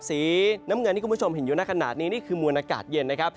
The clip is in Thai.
สีน้ำเงินที่คุณผู้ชมเห็นอยู่ในขณะนี้นี่คือมวลอากาศเย็นนะครับ